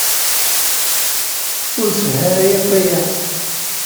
Ur sehhu ara akk aya.